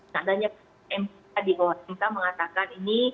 tadanya mk di bawah kita mengatakan ini